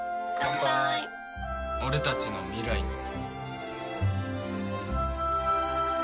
俺たちの未来に。